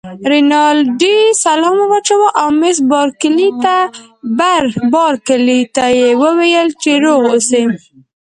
رینالډي سلام ور واچاوه او مس بارکلي ته یې وویل چې روغ اوسی.